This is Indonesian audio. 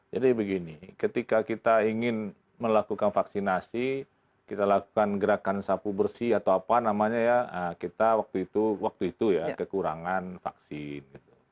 jadi begini ketika kita ingin melakukan vaksinasi kita lakukan gerakan sapu bersih atau apa namanya ya kita waktu itu ya kekurangan vaksin